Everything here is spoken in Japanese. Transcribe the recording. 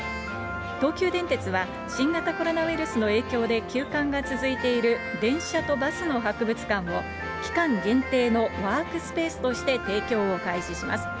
東急電鉄は、新型コロナウイルスの影響で休館が続いている電車とバスの博物館を、期間限定のワークスペースとして提供を開始します。